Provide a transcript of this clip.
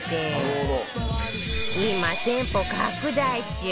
今店舗拡大中！